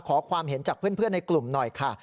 ขอความเห็นจากเพื่อนในกลุ่มหน่อยค่ะ